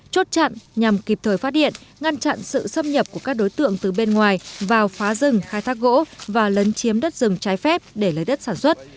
chốt chặn nhằm kịp thời phát điện ngăn chặn sự xâm nhập của các đối tượng từ bên ngoài vào phá rừng khai thác gỗ và lấn chiếm đất rừng trái phép để lấy đất sản xuất